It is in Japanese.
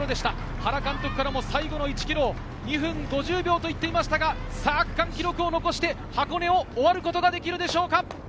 原監督からも最後の１ｋｍを２分５０秒と言っていましたが、区間記録を残して、箱根を終わることができるでしょうか。